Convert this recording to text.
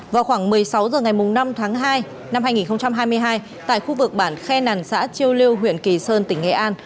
vào khoảng một mươi sáu h ngày năm tháng hai năm hai nghìn hai mươi hai tại khu vực bản khe nàn xã chiêu lưu huyện kỳ sơn tỉnh nghệ an